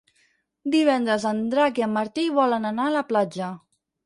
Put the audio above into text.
Divendres en Drac i en Martí volen anar a la platja.